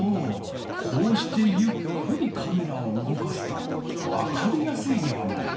こうしてゆっくりカメラをうごかすとわかりやすいではないか。